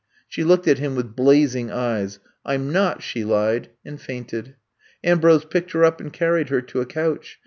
She looked at him with blazing eyes. I 'm not," she lied, and fainted. Am brose picked her up and carried her to a couch.